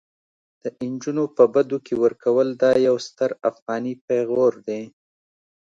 د انجونو په بدو کي ورکول دا يو ستر افغاني پيغور دي